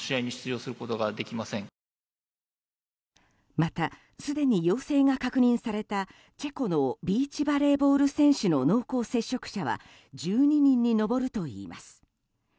また、すでに陽性が確認されたチェコのビーチバレーボール選手の濃厚接触者は１２人に上るといいます。